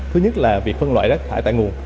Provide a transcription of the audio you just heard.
thứ nhất là việc phân loại rác thải tại nguồn